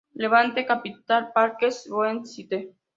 Levante Capital Partners website